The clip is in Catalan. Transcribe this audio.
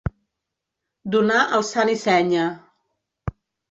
Donar el sant i senya.